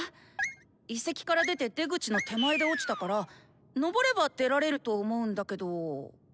遺跡から出て出口の手前で落ちたからのぼれば出られると思うんだけど。